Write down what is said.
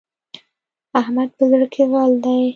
احمد په زړه کې غل دی.